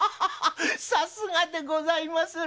さすがでございます。